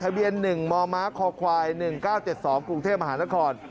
ทะเบียน๑มมคค๑๙๗๒กรุงเทพมหานคร